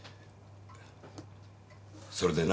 それでな。